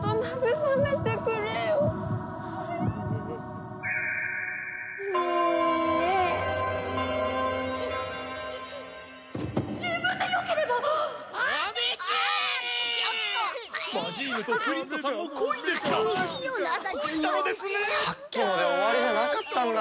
さっきので終わりじゃなかったんだ。